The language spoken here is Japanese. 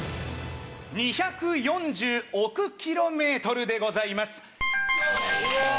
２４０億ｋｍでございます。